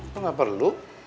lo gak perlu